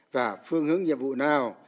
và phương hướng nhiệm vụ nào